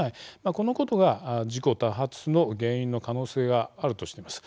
このことが事故多発の原因の可能性があるとしています。